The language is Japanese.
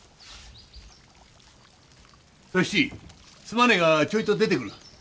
すまねえがちょいと出てくる。